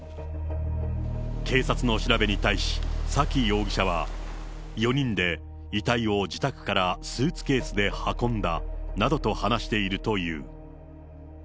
警察の調べに対し、沙喜容疑者は、４人で遺体を自宅からスーツケースで運んだなどと話しているという。